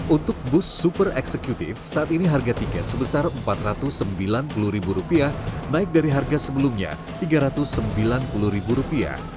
untuk bus super eksekutif saat ini harga tiket sebesar rp empat ratus sembilan puluh naik dari harga sebelumnya rp tiga ratus sembilan puluh